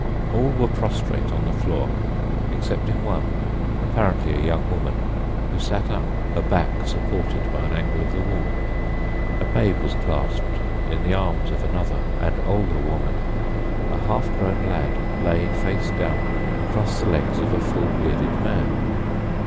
All were prostrate on the floor, excepting one, apparently a young woman, who sat up, her back supported by an angle of the wall. A babe was clasped in the arms of another and older woman. A half grown lad lay face downward across the legs of a full bearded man.